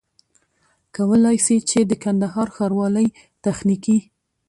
کولای سي چي د کندهار ښاروالۍ تخنيکي